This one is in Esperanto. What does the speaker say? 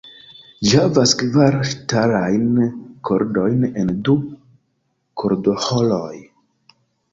Ĝi havas kvar ŝtalajn kordojn en du kordoĥoroj.